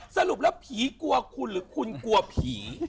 สรุปแล้วผีกลัวคุณหรือคุณกลัวผี